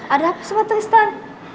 ada apa soal tristan